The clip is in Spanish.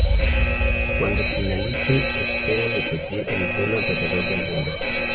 Cuando finalice, espera repetir el vuelo alrededor del mundo.